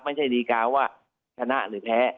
ไม่ใช่ดีกาว่าชนะหรือแพ้